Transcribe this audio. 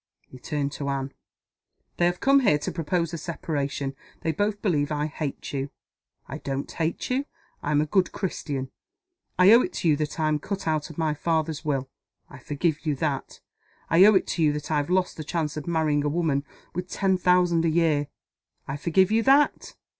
He turned to Anne. "They have come here to propose a separation. They both believe I hate you. I don't hate you. I'm a good Christian. I owe it to you that I'm cut out of my father's will. I forgive you that. I owe it to you that I've lost the chance of marrying a woman with ten thousand a year. I forgive you _that.